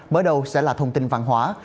bởi đầu sẽ là thông tin văn hóa